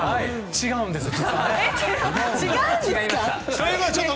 違うんですよ。